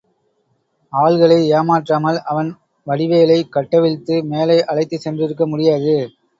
ஆள்களை ஏமாற்றாமல் அவன் வடிவேலைக் கட்டவிழ்த்து மேலே அழைத்துச் சென்றிருக்க முடியாது.